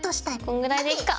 こんぐらいでいっか？